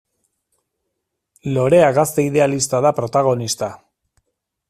Lorea gazte idealista da protagonista.